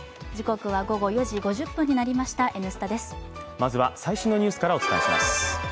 まずは最新のニュースからお伝えします。